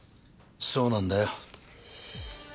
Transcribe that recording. そうなんだよ。